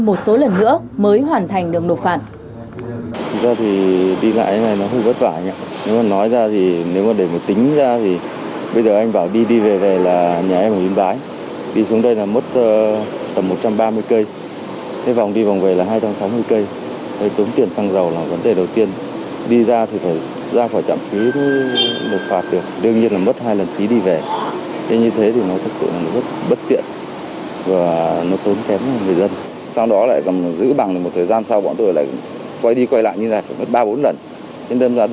một số lần nữa mới hoàn thành đường nộp phạt